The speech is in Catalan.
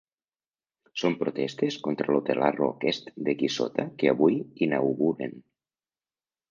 Són protestes contra l'hotelarro aquest d'aquí sota que avui inauguren.